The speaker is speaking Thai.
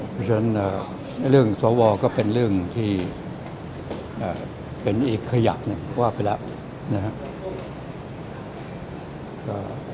เพราะฉะนั้นเรื่องสวก็เป็นเรื่องที่เป็นอีกขยะหนึ่งว่าไปแล้วนะครับ